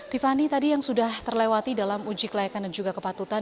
tiffany tadi yang sudah terlewati dalam uji kelayakan dan juga kepatutan